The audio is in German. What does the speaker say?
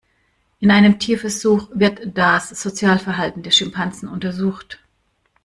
In einem Tierversuch wird das Sozialverhalten der Schimpansen untersucht.